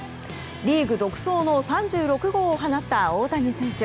リーグ独走の３６号を放った大谷選手。